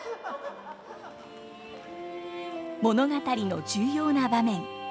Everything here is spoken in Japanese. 物語の重要な場面